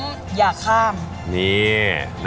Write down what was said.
อีกอย่างหนึ่งนะครับเวลาชีวิตคู่